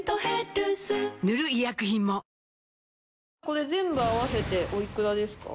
これ全部合わせておいくらですか？